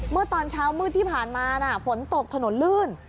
เมื่อตอนเช้ามืดที่ผ่านมาฝนตกถนนลื่น